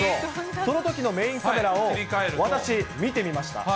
そのときのメインカメラを私、見てみました。